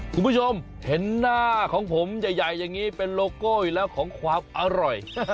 คุณผู้ชมเห็นหน้าของผมใหญ่อย่างนี้เป็นโลโก้อีกแล้วของความอร่อย